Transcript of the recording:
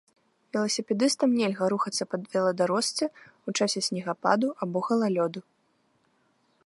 Веласіпедыстам нельга рухацца па веладарожцы ў часе снегападу або галалёду.